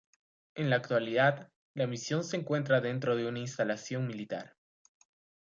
En la actualidad la misión se encuentra dentro de una instalación militar.